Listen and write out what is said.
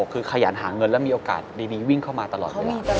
คือขยันหาเงินแล้วมีโอกาสดีวิ่งเข้ามาตลอดเวลา